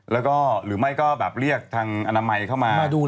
แล้วก็หรือไม่ก็แบบเรียกทางอนามัยเข้ามา